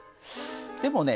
でもね